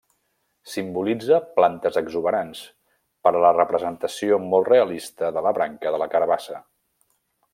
Simbolitza plantes exuberants, per la representació molt realista de la branca de la carabassa.